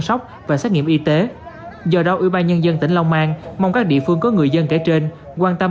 sốc và xét nghiệm y tế do đó ubnd tỉnh long an mong các địa phương có người dân kể trên quan tâm